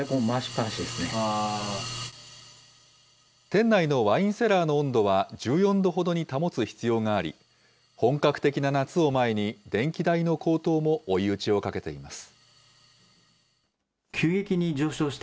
店内のワインセラーの温度は、１４度ほどに保つ必要があり、本格的な夏を前に、電気代の高騰も追い打ちをかけています。